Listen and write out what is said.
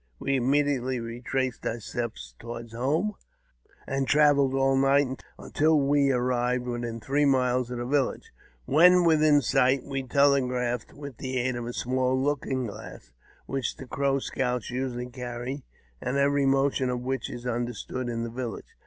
We immediately retraced our steps toward home, and travelled all night, until we arrived within three miles of the village. When within sight, we telegraphed with the aid of a small looking glass, which the Crow scouts usually carry, and every motion of which is understood in the village.